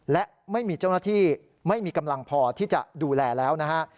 และไม่มีเจ้าหน้าที่ไม่มีกำลังพอที่จะดูแลแล้วนะฮะ